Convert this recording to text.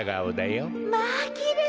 まあきれい。